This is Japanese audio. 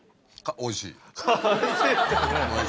おいしい。